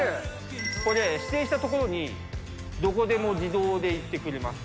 これね、指定した所に、どこでも自動で行ってくれます。